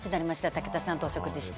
武田さんとお食事して。